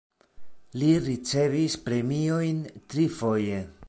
Li ricevis premiojn trifoje.